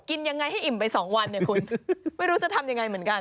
กินยังไงให้อิ่มไป๒วันเนี่ยคุณไม่รู้จะทำยังไงเหมือนกัน